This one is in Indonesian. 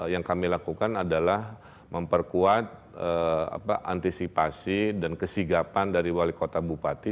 yang kami lakukan adalah memperkuat antisipasi dan kesigapan dari wali kota bupati